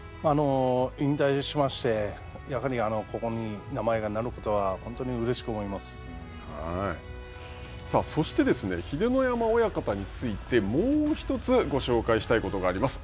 引退しましてやはりこれに名前が載ることはそして秀ノ山親方についてもう１つご紹介したいことがあります。